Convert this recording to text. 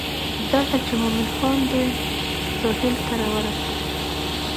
دلته چې مومن خان دوی سهیل ته راورسېدل.